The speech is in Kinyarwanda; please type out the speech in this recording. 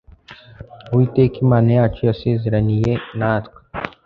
Uwiteka Imana yacu yasezeraniye natwe